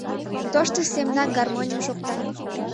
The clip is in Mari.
Тоштыж семынак гармоньым шокта.